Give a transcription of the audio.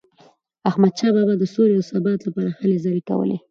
احمدشاه بابا د سولې او ثبات لپاره هلي ځلي کولي.